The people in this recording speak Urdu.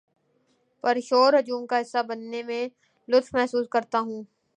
پر شور ہجوم کا حصہ بننے میں لطف محسوس کرتا ہوں